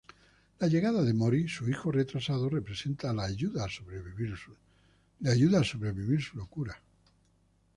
La llegada de Mori, su hijo retrasado, representa la "ayuda a sobrevivir su locura".